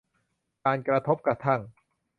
การกระทบกระทั่ง